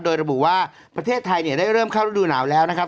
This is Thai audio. โดยระบุว่าประเทศไทยเนี่ยได้เริ่มเข้าฤดูหนาวแล้วนะครับ